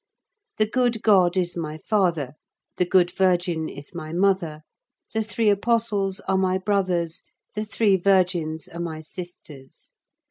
The good God is my father, the good Virgin is my mother, the three apostles are my brothers, the three virgins are my sisters.